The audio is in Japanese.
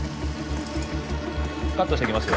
カットしていきますよ